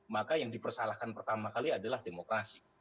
maka yang dipersalahkan pertama kali adalah demokrasi